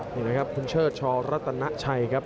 นี่นะครับคุณเชิดชรัตนาชัยครับ